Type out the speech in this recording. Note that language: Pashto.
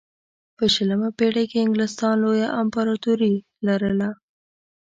په شلمه پېړۍ کې انګلستان لویه امپراتوري لرله.